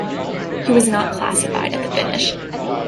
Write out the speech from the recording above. He was not classified at the finish.